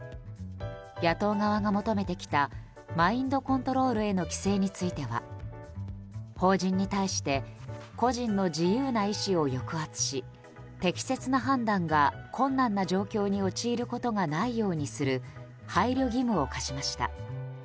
野党側が求めてきたマインドコントロールへの規制については法人に対して個人の自由な意思を抑圧し適切な判断が困難な状況に陥ることがないようにする配慮義務を課しました。